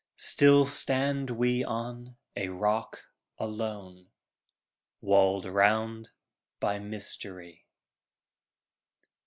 Still stand we on a rock alone, Walled round by mystery.